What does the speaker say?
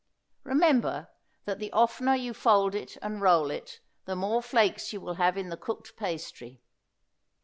Remember that the oftener you fold it and roll it the more flakes you will have in the cooked pastry.